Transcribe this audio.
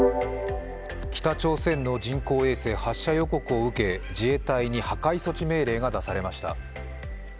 北朝鮮の人工衛星発射予告を受け自衛隊に破壊措置命令が出されました。